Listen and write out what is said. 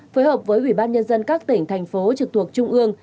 phối hợp với ubnd các tỉnh thành phố trực thuộc trung ương